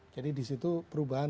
jadi disitu perubahan